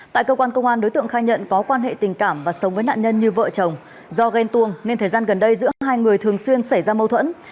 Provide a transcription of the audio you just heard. tại cơ quan công an đối tượng khai nhận có quan hệ tình cảm và sống với nạn nhân như vợ chồng do ghen tuông nên thời gian gần đây giữa hai người thường xuyên xảy ra mâu thuẫn